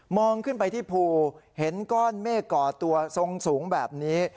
ขึ้นไปที่ภูเห็นก้อนเมฆก่อตัวทรงสูงแบบนี้